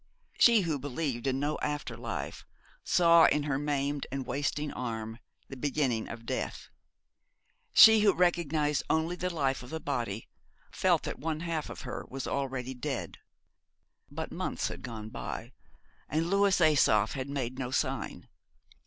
She who believed in no after life saw in her maimed and wasting arm the beginning of death. She who recognised only the life of the body felt that one half of her was already dead. But months had gone by, and Louis Asoph had made no sign.